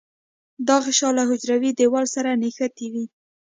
دا غشا له حجروي دیوال سره نښتې وي.